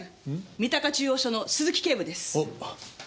三鷹中央署の鈴木警部です。